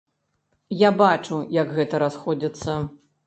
Я бачу, як гэта расходзіцца.